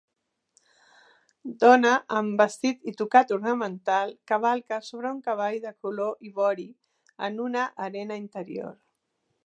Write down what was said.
Dona amb vestit i tocat ornamental cavalca sobre un cavall de color ivori en una arena interior